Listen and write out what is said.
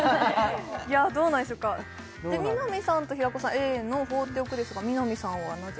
どうなんでしょうか南さんと平子さんはＡの「放っておく」ですが南さんはなぜ？